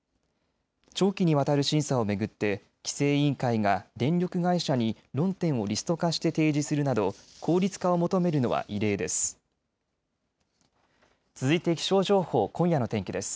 長期にわたる審査を巡って規制委員会が電力会社に論点をリスト化して提示するなど効率化を求めるのは異例です。